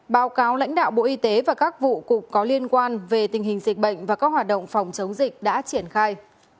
báo cáo lãnh đạo bộ y tế và các vụ cục có liên quan về tình hình dịch bệnh và các hoạt động phòng chống dịch đã triển khai